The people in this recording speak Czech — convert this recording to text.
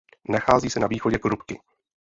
Nachází se na východě Krupky.